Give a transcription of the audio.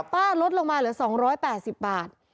ป้าลดลงมาเหลือ๒๘๐บาท